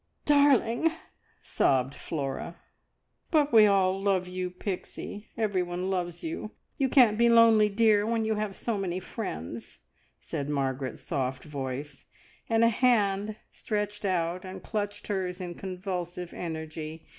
"D arling!" sobbed Flora. "But we all love you, Pixie! Everyone loves you! You can't be lonely, dear, when you have so many friends," said Margaret's soft voice; and a hand stretched out and clutched hers in convulsive energy.